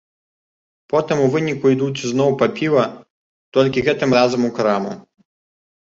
Потым у выніку ідуць ізноў па піва, толькі гэтым разам у краму.